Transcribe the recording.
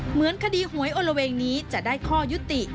เหมือนคดีหวยโอละเวงนี้จะได้ข้อยุติ